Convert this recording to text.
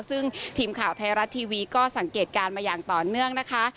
ซึ่งทีมข่าวไทยรัฐทีวีก็สังเกตการณ์มาอย่างต่อเนื่องนะคะ